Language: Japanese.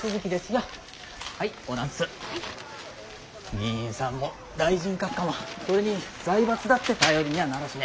議員さんも大臣閣下もそれに財閥だって頼りにゃならんしね。